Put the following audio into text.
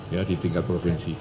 ya di tingkat provinsi